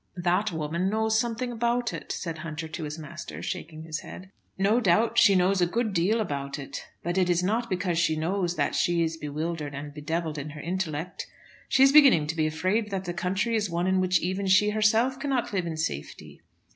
"That woman knows something about it," said Hunter to his master, shaking his head. "No doubt she knows a good deal about it; but it is not because she knows that she is bewildered and bedevilled in her intellect. She is beginning to be afraid that the country is one in which even she herself cannot live in safety."